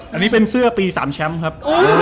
อันนี้เป็นเสื้อปี๓แชมป์ครับ